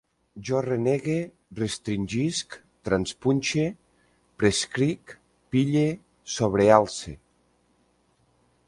Jo renegue, restringisc, traspunxe, prescric, pille, sobrealce